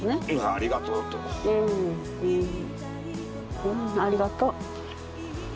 ありがとう。